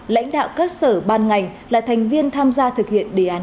lãnh đạo các sở ban ngành là thành viên tham gia thực hiện đề án sáu